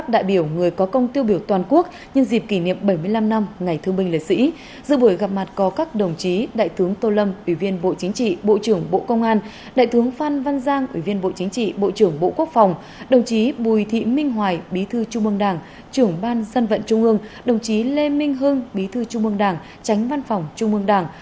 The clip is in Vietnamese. đồng chí lê minh hương bí thư trung mương đảng tránh văn phòng trung mương đảng